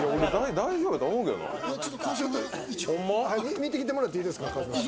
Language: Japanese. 見てきてもらっていいですか、川島さん。